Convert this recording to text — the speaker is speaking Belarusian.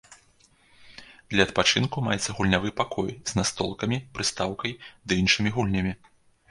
Для адпачынку маецца гульнявы пакой з настолкамі, прыстаўкай ды іншымі гульнямі.